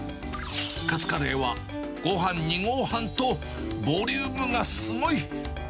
カツカレーは、ごはん２合半と、ボリュームがすごい。